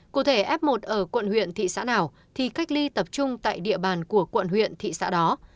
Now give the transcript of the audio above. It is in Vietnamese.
cụ thể f một ở quận huyện thị xã nào thì cách ly tập trung tại địa bàn của quận huyện thị xã đó